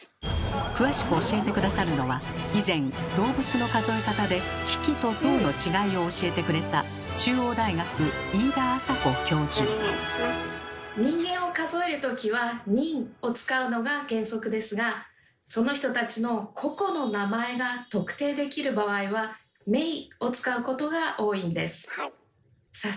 詳しく教えて下さるのは以前動物の数え方で「匹」と「頭」の違いを教えてくれたその人たちの個々の名前が特定できる場合は「名」を使うことが多いんです。